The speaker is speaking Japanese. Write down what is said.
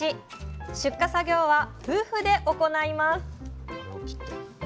出荷作業は夫婦で行います。